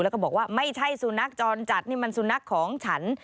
แล้วก็บอกว่าไม่ใช่สุนัขจรจัดนี่มันสุนัขของฉัน